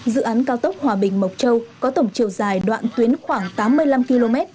dự án cao tốc hòa bình mộc châu có tổng chiều dài đoạn tuyến khoảng tám mươi năm km